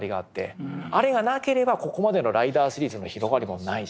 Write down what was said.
あれがなければここまでのライダーシリーズの広がりもないしね。